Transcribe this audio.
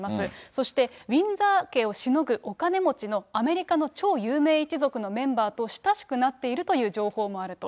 そして、ウィンザー家をしのぐお金持ちのアメリカの超有名一族のメンバーと親しくなっているという情報もあると。